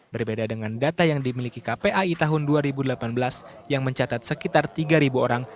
berbeda dengan data yang dimiliki kpai tahun dua ribu delapan belas yang mencatat sekitar tiga orang